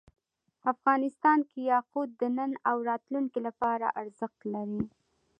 افغانستان کې یاقوت د نن او راتلونکي لپاره ارزښت لري.